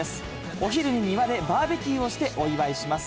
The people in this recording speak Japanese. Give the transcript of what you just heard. お昼に庭でバーベキューをしてお祝いします。